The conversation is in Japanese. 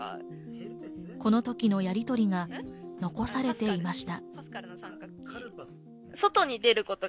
この時のやりとりが残されていました。